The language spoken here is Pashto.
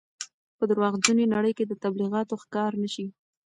په درواغجنې نړۍ کې د تبلیغاتو ښکار نه شئ.